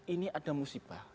ini ada musibah